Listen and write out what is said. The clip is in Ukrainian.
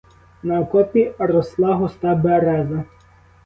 На окопі росла густа береза.